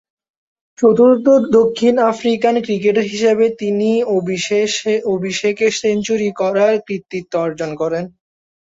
চতুর্থ দক্ষিণ African cricketer হিসেবে তিনি অভিষেকে সেঞ্চুরি করার কৃতিত্ব অর্জন করেন।